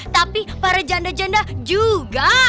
tapi para janda janda juga